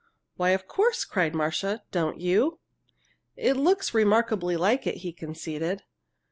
"Why, of course!" cried Marcia. "Don't you?" "It looks remarkably like it," he conceded.